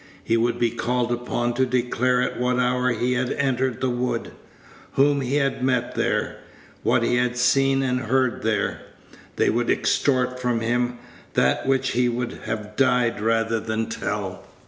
He would be called upon to declare at what hour he had entered the wood, whom he had met there, what he had seen and heard there. They would extort from him that which he would have died rather than tell.